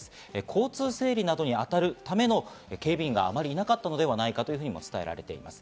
交通整理などにたたる警備員があまりなかったのではないかと伝えられています。